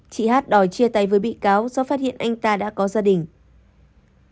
chị hát đòi chia tay với bị cáo do phát hiện anh ta đã có gia đình